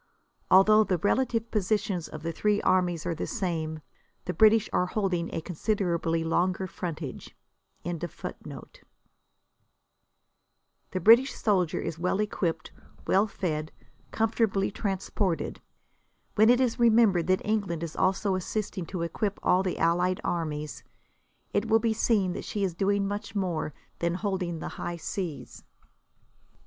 Although the relative positions of the three armies are the same, the British are holding a considerably longer frontage.] The British soldier is well equipped, well fed, comfortably transported. When it is remembered that England is also assisting to equip all the allied armies, it will be seen that she is doing much more than holding the high seas.